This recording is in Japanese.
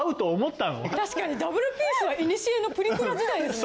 たしかにダブルピースはいにしえのプリクラ時代ですね。